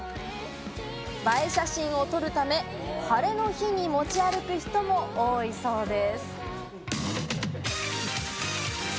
映え写真を撮るため晴れの日に持ち歩く人も多いそうです。